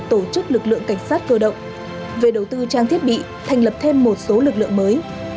tổ chức lực lượng cảnh sát cơ động về đầu tư trang thiết bị thành lập thêm một số lực lượng mới